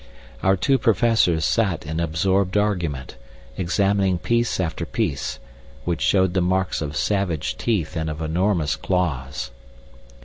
Our two professors sat in absorbed argument, examining piece after piece, which showed the marks of savage teeth and of enormous claws.